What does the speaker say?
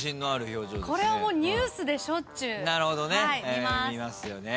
これはニュースでしょっちゅう見ます。